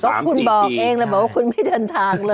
ก็คุณบอกเองเลยบอกว่าคุณไม่เดินทางเลย